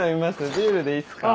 ビールでいいっすか？